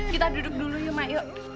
kita duduk dulu yuk ma yuk